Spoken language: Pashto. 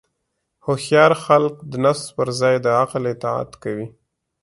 هوښیار خلک د نفس پر ځای د عقل اطاعت کوي.